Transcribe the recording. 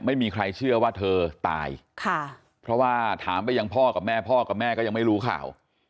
ไม่มีใครเชื่อว่าเธอตายค่ะเพราะว่าถามไปยังพ่อกับแม่พ่อกับแม่ก็ยังไม่รู้ข่าว